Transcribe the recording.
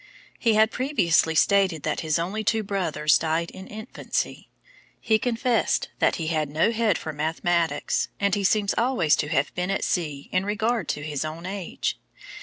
He had previously stated that his only two brothers died in infancy. He confessed that he had no head for mathematics, and he seems always to have been at sea in regard to his own age.